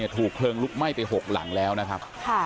ถูกเผลินหลุดไหม้ไปหกหลั่งแหลวกระทะครับ